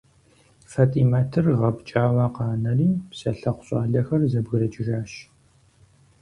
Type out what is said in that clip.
ФатӀимэтыр гъэпкӀауэ къанэри, псэлъыхъу щӀалэхэр зэбгрыкӀыжащ.